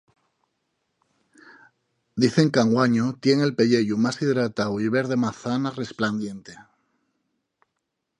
Dicen qu'anguaño tien el pelleyu más hidratáu y verde mazana resplandiente.